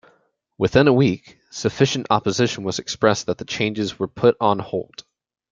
Within a week, sufficient opposition was expressed that the changes were put on hold.